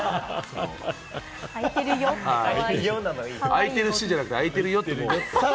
開いてるしじゃなくて、「開いてるよ」って。